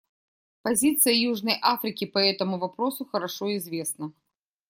Позиция Южной Африки по этому вопросу хорошо известна.